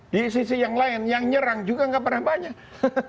di sisi yang lain yang nyerang juga nggak pernah banyak